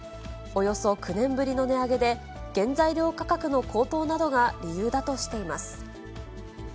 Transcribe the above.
およそ９年ぶりの値上げで、原材料価格の高騰などが理由だとしています。